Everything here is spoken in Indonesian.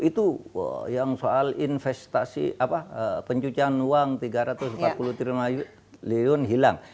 itu yang soal investasi apa pencucian uang tiga ratus empat puluh tiga miliar hilang